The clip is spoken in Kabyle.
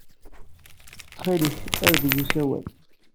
Ttxil-k, err deg usawal.